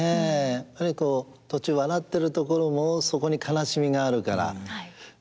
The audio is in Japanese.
やはり途中笑ってるところもそこに悲しみがあるから。